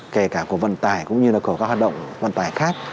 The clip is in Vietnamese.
kể cả của vận tải cũng như các hoạt động vận tải khác